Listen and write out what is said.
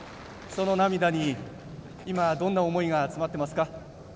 その涙に今どんな思いが詰まっていますか。